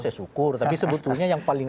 saya syukur tapi sebetulnya yang paling